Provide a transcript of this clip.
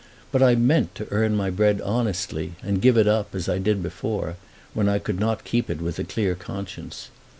But I meant to earn my bread honestly, and give it up, as I did before, when I could not keep it with a clear conscience.